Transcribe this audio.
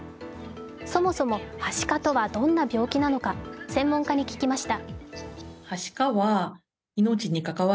そもそも、はしかとはどんな病気なのか、専門家に聞きました。